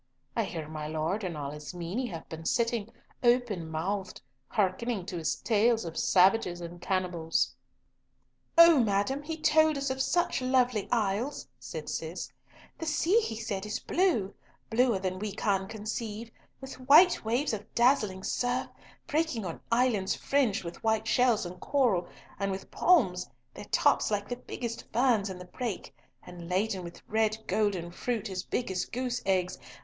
I hear my Lord and all his meine have been sitting, open mouthed, hearkening to his tales of savages and cannibals." "O madam, he told us of such lovely isles," said Cis. "The sea, he said, is blue, bluer than we can conceive, with white waves of dazzling surf, breaking on islands fringed with white shells and coral, and with palms, their tops like the biggest ferns in the brake, and laden with red golden fruit as big as goose eggs.